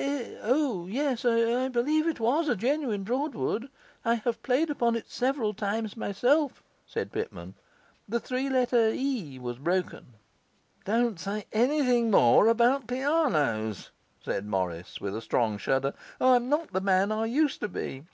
'Eh? O! O yes, I believe it was a genuine Broadwood; I have played upon it several times myself,' said Pitman. 'The three letter E was broken.' 'Don't say anything more about pianos,' said Morris, with a strong shudder; 'I'm not the man I used to be!